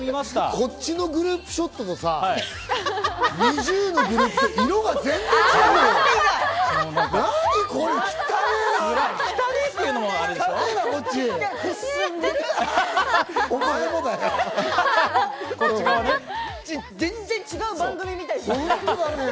こっちのグループショットとさ、ＮｉｚｉＵのグループショット、色が全然違うよ。